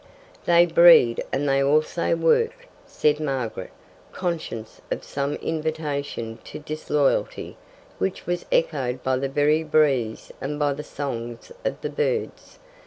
"They breed and they also work," said Margaret, conscious of some invitation to disloyalty, which was echoed by the very breeze and by the songs of the birds.